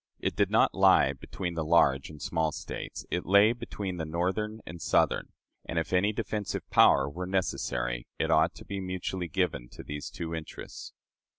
It did not lie between the large and small States; it lay between the Northern and Southern; and, if any defensive power were necessary, it ought to be mutually given to these two interests."